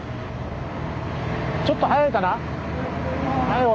ちょっと早いかな？